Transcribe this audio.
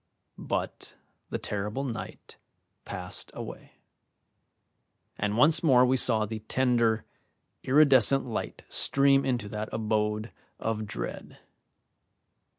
But the terrible night passed away, and once more we saw the tender, iridescent light stream into that abode of dread.